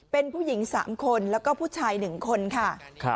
เป็นผู้หญิง๓คนแล้วก็ผู้ชาย๑คนค่ะ